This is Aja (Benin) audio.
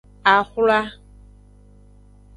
Axwla.